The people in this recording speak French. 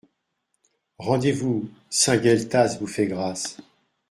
Rendez-vous ! Saint-Gueltas vous fait grâce.